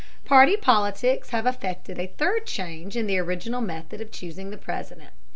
Party politics have effected a third change in the original method of choosing the President.